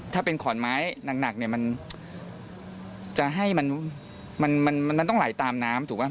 ถ้าเป็นขอนไม้หนักเนี่ยมันจะให้มันต้องไหลตามน้ำถูกป่